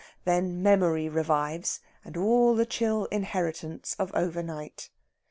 Then memory revives, and all the chill inheritance of overnight.